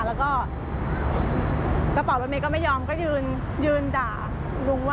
แล้วก็จับเบาะไปไหมก็ไม่ยอมก็ยืนยืนด่าลุงว่า